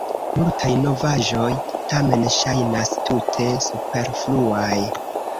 Multaj novaĵoj, tamen, ŝajnas tute superfluaj.